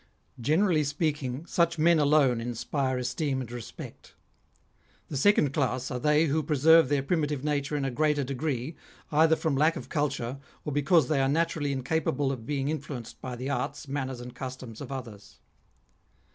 Generally speaking, such men alone inspire esteem and respect. The second class are they who preserve their primitive nature in a greater degree, either from lack of culture or because they are naturally incapable of being influenced by the arts, manners, and customs of others.